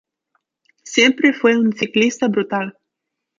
Siempre fue un ciclista brutal.